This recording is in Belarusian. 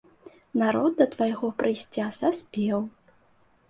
Народ да твайго прыйсця саспеў.